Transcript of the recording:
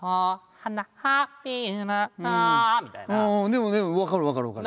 でもでも分かる分かる分かる。